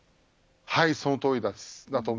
そのとおりです。